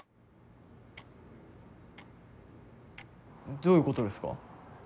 どういうことですか？